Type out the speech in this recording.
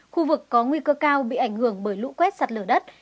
khu vực có nguy cơ cao bị ảnh hưởng bởi lũ quét sạt lở đất